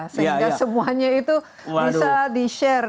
sehingga semuanya itu bisa di share